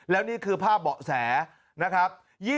แล้วนี่คือภาพเบาะแสนะครับ